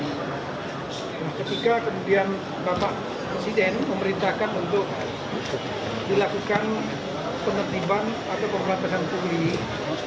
nah ketika kemudian bapak presiden memerintahkan untuk dilakukan penerimaan atau pengelapan pesan publik